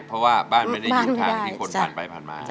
เพราะว่าบ้านไม่ได้อยู่ทางที่คนผ่านไปผ่านมา